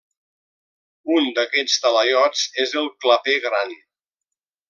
Un d'aquests talaiots és el Claper Gran.